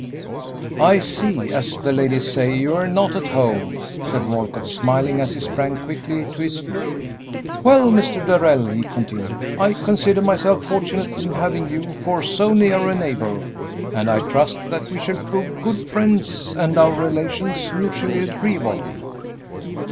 "I see; as the ladies say, you're 'not at home,'" said Walcott, smiling, as he sprang quickly to his feet. "Well, Mr. Darrell," he continued, "I consider myself fortunate in having you for so near a neighbor, and I trust that we shall prove good friends and our relations mutually agreeable."